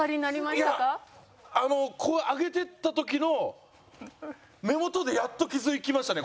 いやあのこう上げてった時の目元でやっと気付きましたね